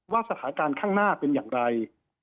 สถานการณ์ข้างหน้าเป็นอย่างไร